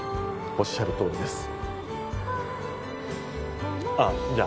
おっしゃるとおりですああ